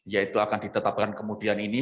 yaitu akan ditetapkan kemudian ini